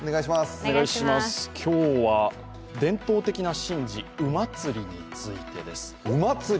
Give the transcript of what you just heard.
今日は伝統的な神事、鵜祭についてです。